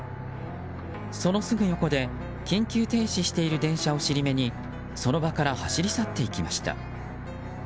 そのすぐ横で緊急停止している電車を尻目にその場から走り去っていきました。